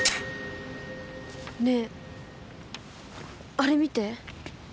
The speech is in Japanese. ねえあれ見て。